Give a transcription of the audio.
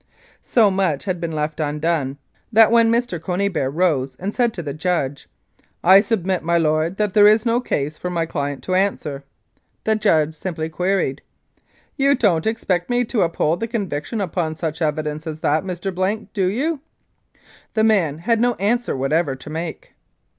So much had been left undone that when Mr. Cony beare rose and said to the judge, "I submit, my lord, that there is no case for my client to answer," the judge simply queried, "You don't expect me to uphold the conviction upon such evidence as that, Mr. Blank, do you ?" the man had no answer whatever to make.